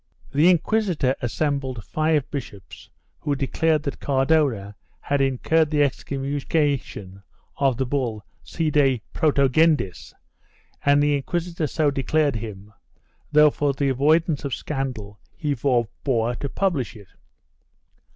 The inquisitor assembled five bishops who declared that Cardona had incurred the excommunication of the bull Si de protegendis and the inquisitor so declared him, though for the avoidance of scandal he forbore to publish it.